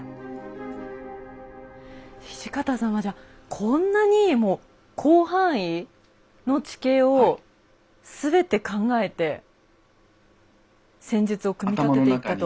土方さんはじゃこんなにもう広範囲の地形を全て考えて戦術を組み立てていったと。